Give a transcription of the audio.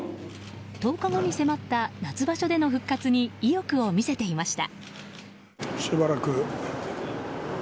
１０日後に迫った夏場所での復活に、意欲を見せていました。